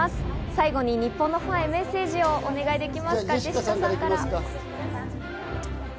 最後に日本のファンへメッセージをお願いできますか？